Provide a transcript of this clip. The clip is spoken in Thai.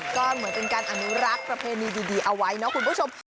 กล้อนมันเป็นการอนุรักษ์ประเภทมีดีเอาไว้คุณผู้ชม